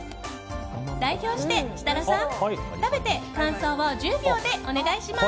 代表して設楽さん、食べて感想を１０秒でお願いします。